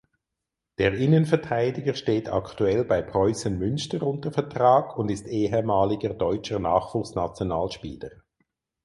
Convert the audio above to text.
Der Innenverteidiger steht aktuell bei Preußen Münster unter Vertrag und ist ehemaliger deutscher Nachwuchsnationalspieler.